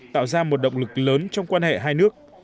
tạo ra một động lực lớn trong quan hệ hai nước